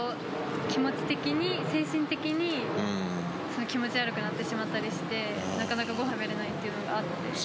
気持ち的に、精神的に、気持ち悪くなってしまったりして、なかなかごはん食べれないというのがあって。